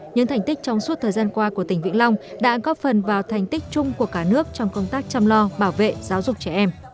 những thành tích trong suốt thời gian qua của tỉnh vĩnh long đã góp phần vào thành tích chung của cả nước trong công tác chăm lo bảo vệ giáo dục trẻ em